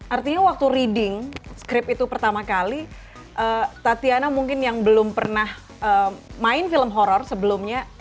artinya waktu reading script itu pertama kali tatiana mungkin yang belum pernah main film horror sebelumnya